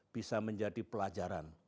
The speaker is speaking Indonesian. bisa menjadi pelajaran